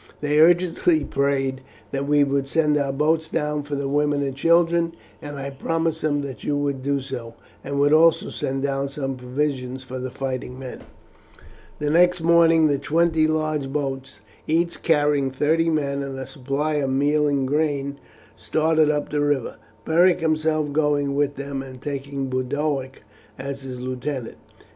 They urgently prayed that we would send our boats down for the women and children, and I promised them that you would do so, and would also send down some provisions for the fighting men." The next morning the twenty large boats, each carrying thirty men and a supply of meat and grain, started up the river, Beric himself going with them, and taking Boduoc as his lieutenant.